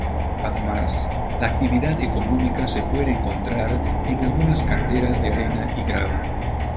Además, la actividad económica se puede encontrar en algunas canteras de arena y grava.